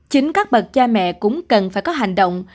chính các bậc cha mẹ cũng cần phải có hành động